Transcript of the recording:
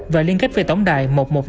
và liên kết về tổng đài một trăm một mươi năm